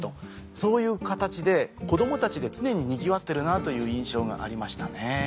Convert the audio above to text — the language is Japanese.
そういう形で子供たちで常に賑わっているなという印象がありましたね。